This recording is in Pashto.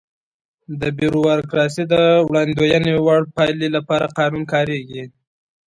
په بیوروکراسي کې د وړاندوينې وړ پایلې لپاره قانون کاریږي.